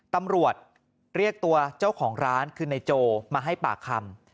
ตำรวจเรียกตัวเจ้าของร้านคือนายโจมาให้ปากคำ